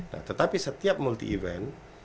nah tetapi setiap multi event